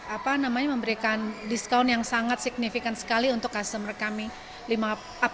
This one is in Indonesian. apa namanya memberikan diskaun yang sangat signifikan sekali untuk customer kami